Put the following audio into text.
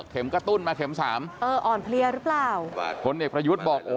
กระตุ้นมาเข็มสามเอออ่อนเพลียหรือเปล่าผลเอกประยุทธ์บอกโอ้